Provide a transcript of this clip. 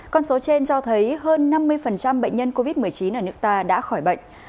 con số trên cho thấy hơn năm mươi bệnh nhân covid một mươi chín ở nước ta đã khỏi bệnh